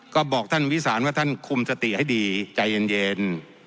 ก็บอกท่านวิสานว่าท่านคุมสติให้ดีใจเย็น